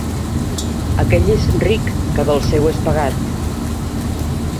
Aquell és ric, que del seu és pagat.